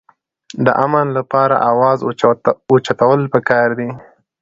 د امن دپاره اواز اوچتول پکار دي